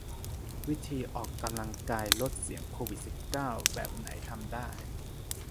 วิธีออกกำลังกายลดเสี่ยงโควิด สิบเก้า แบบไหนทำได้